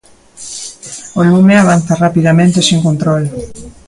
O lume avanza rapidamente e sen control.